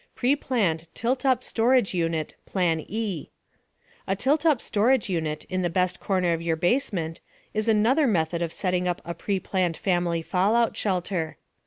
PREPLANNED TILT UP STORAGE UNIT PLAN E A tilt up storage unit in the best corner of your basement is another method of setting up a "preplanned" family fallout shelter.